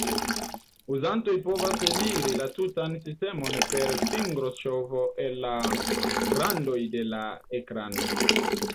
Uzantoj povas aliri la tutan sistemon per fingro-ŝovo el la randoj de la ekrano.